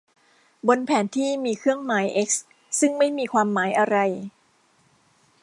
บนแผนที่มีเครื่องหมาย เอ๊กซ์ ซึ่งไม่มีความหมายอะไร